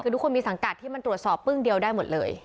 คือทุกคนมีสังกัดที่มันตรวจสอบปึ้งเดียวได้หมดเลย